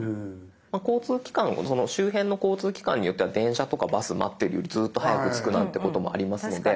まあその周辺の交通機関によっては電車とかバス待ってるよりずっと早く着くなんてこともありますので。